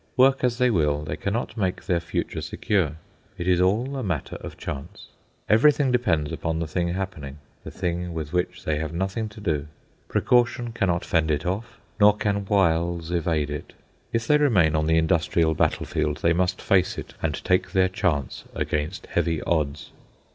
Work as they will, they cannot make their future secure. It is all a matter of chance. Everything depends upon the thing happening, the thing with which they have nothing to do. Precaution cannot fend it off, nor can wiles evade it. If they remain on the industrial battlefield they must face it and take their chance against heavy odds.